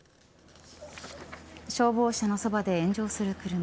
消防車のそばで炎上する車。